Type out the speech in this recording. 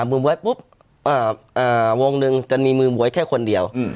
อ่ามือบ๊วยปุ๊บอ่าอ่าวงหนึ่งจะมีมือบ๊วยแค่คนเดียวอืม